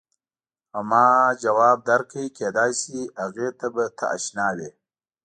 او ما ځواب درکړ کېدای شي هغې ته به ته اشنا وې.